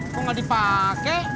kok gak dipake